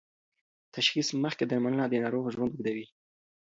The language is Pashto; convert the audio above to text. تشخیص مخکې درملنه د ناروغ ژوند اوږدوي.